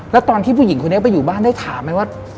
แล้วตอนที่ผู้หญิงคนนี้ไปอยู่บ้านได้ถามไหมว่า